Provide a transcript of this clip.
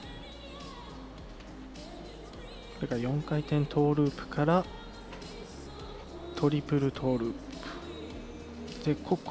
４回転トーループからトリプルトーループ。